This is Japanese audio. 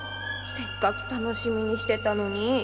せっかく楽しみにしてたのに。